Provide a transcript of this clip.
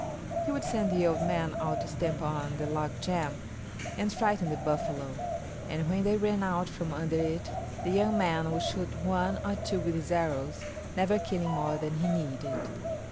He would send the old man out to stamp on the log jam and frighten the buffalo, and when they ran out from under it the young man would shoot one or two with his arrows, never killing more than he needed.